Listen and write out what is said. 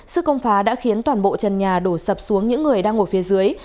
sự công phá đã khiến toàn bộ trần nhà đổ sập xuống những người đang ngồi phía dưới